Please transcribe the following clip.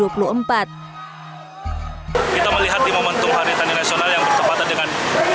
kita melihat di momentum hari tani nasional yang bertepatan dengan